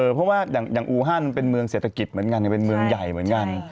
เพราะว่าอย่างอูฮันมันเป็นเมืองเศรษฐกิจเหมือนกันเป็นเมืองใหญ่เหมือนกัน